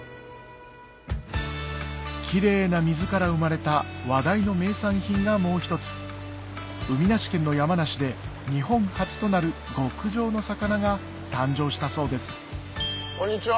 キレイな水から生まれた話題の名産品がもう一つ海なし県の山梨で日本初となる極上の魚が誕生したそうですこんにちは！